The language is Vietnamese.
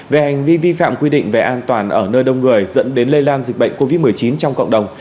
về hành vi vi phạm quy định về an toàn ở nơi đông người dẫn đến lây lan dịch bệnh covid một mươi chín trong cộng đồng